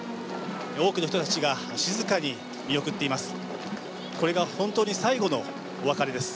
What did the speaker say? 多くの人たちが静かに見送っています。